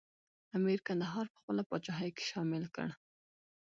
امیر کندهار په خپله پاچاهۍ کې شامل کړ.